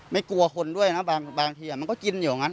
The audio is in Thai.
ไม่กลัวคนด้วยนะบางทีมันก็กินอยู่อย่างนั้น